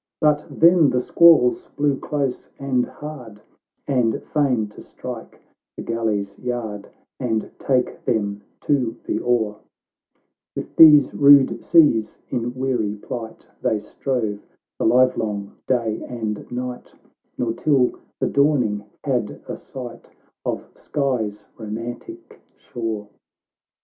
But then the squalls blew close and hard, And, fain to strike the galley's yard, And take them to the oar, "With these rude seas, in weary plight, They strove the livelong day and night, Nor till the dawning had a sight Of Skye's romantic shore.